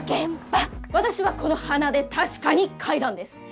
私はこの鼻で確かに嗅いだんです。